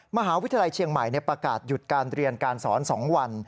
มหาวิทยาลัยเชียงใหม่ประกาศหยุดการเรียนการสอน๒วัน